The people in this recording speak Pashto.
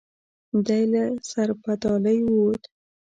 دی له سربدالۍ ووت.